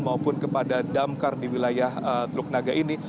maupun kepada damkar di wilayah teluk naga ini